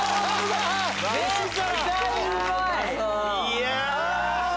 いや！